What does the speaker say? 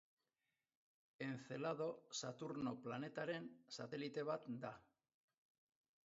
Encelado Saturno planetaren satelite bat da.